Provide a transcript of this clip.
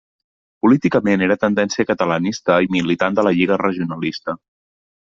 Políticament era tendència catalanista i militant de la Lliga Regionalista.